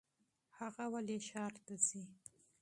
هغه ولې ښار ته ځي ؟